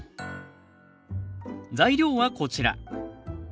材料はこちら。